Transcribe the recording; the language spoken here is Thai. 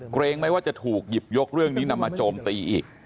เกรงไหมว่าจะถูกหยิบยกเรื่องนี้นำมาโจมตีอีก